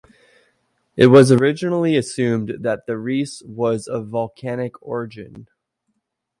It was originally assumed that the Ries was of volcanic origin.